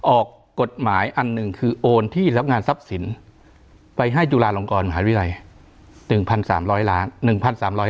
ออกกฎหมายอันหนึ่งคือโอนที่รับงานทรัพย์สินไปให้จุฬาลงกรมหาวิทยาลัย๑๓๐๐ล้าน